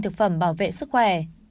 thực phẩm bảo vệ sức khỏe